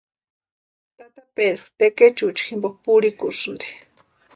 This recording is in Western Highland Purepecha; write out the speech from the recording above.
Tata Pedru tekechuecha jimpo purhikusïnti.